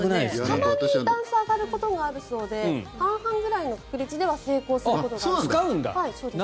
たまに段差を上ることがあるそうで半々ぐらいの確率では成功するらしいです。